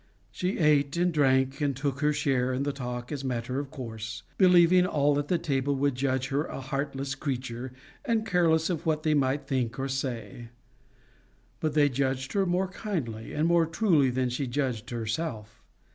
She ate and drank and took her share in the talk as matter of course, believing all at the table would judge her a heartless creature, and careless of what they might think or say. But they judged her more kindly and more truly than she judged herself.